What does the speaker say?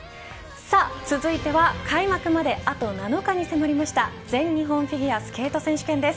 続いては開幕まであと７日に迫りました全日本フィギュアスケート選手権です。